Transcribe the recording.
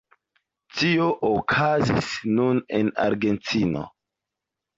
Tio okazis nun en Argentino.